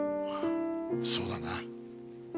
そうだな。